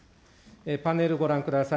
パネルご覧ください。